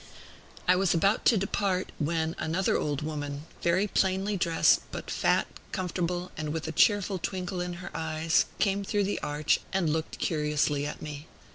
I was about to depart, when another old woman, very plainly dressed, but fat, comfortable, and with a cheerful twinkle in her eyes, came in through the arch, and looked curiously at me.